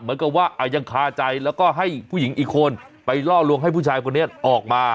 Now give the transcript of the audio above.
เหมือนกับว่ายังคาใจแล้วก็ให้ผู้หญิงอีกคนไปล่อลวงให้ผู้ชายคนนี้ออกมา